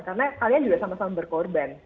karena kalian juga sama sama berkorban